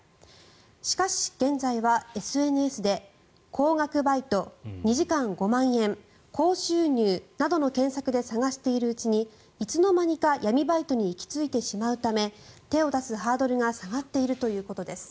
しかし現在はＳＮＳで「高額バイト」「２時間５万円」「高収入」などの検索で探しているうちにいつの間にか闇バイトに行き着いてしまうため手を出すハードルが下がっているということです。